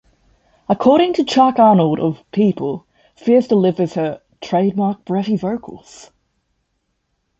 According to Chuck Arnold of "People", Spears delivers her "trademark breathy vocals".